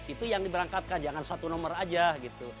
itu yang diberangkatkan jangan satu nomor aja gitu